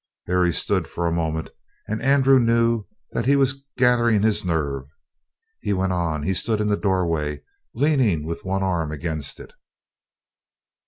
There he stood for a moment, and Andrew knew that he was gathering his nerve. He went on; he stood in the doorway, leaning with one arm against it.